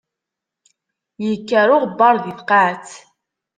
Yekker uɣebbaṛ di tqaɛet.